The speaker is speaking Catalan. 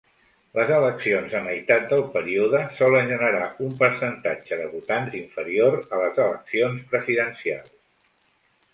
Les eleccions a meitat del període solen generar un percentatge de votants inferior a les eleccions presidencials.